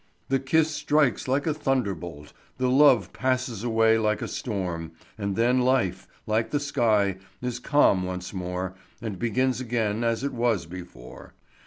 The kiss strikes like a thunderbolt, the love passes away like a storm, and then life, like the sky, is calm once more, and begins again as it was before.